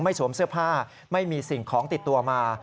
สวมเสื้อผ้าไม่มีสิ่งของติดตัวมา